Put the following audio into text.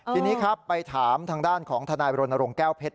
ทีนี้ครับไปถามทางด้านของทนายบรณรงค์แก้วเพชร